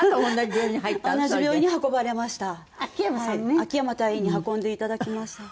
アキヤマ隊員に運んでいただきました。